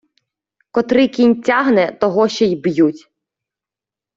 Котрий кінь тягне, того ще й б'ють.